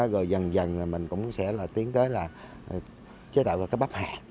rồi dần dần mình cũng sẽ là tiến tới là chế tạo ra cái bắp hạt